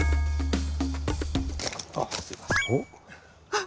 あっ。